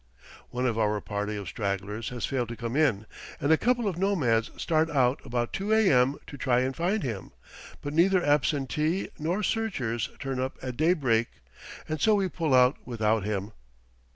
One of our party of stragglers has failed to come in, and a couple of nomads start out about 2 a.m. to try and find him; but neither absentee nor searchers turn up at daybreak, and so we pull out without him.